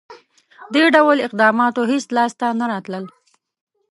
• دې ډول اقداماتو هېڅ لاسته نه راتلل.